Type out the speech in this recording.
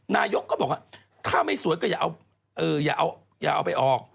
นายกก็บอกว่าถ้าไม่สวยก็อย่าเอาไปออก